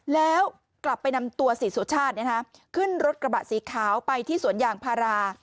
แล้วกลับไปนำตัวเสียสุชาติขึ้นรถกระบะสีขาวไปที่สวนยางพารา